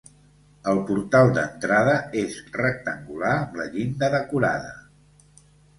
El portal d'entrada és rectangular amb la llinda decorada.